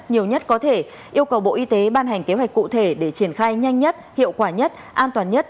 nhiều nhất có thể yêu cầu bộ y tế ban hành kế hoạch cụ thể để triển khai nhanh nhất hiệu quả nhất an toàn nhất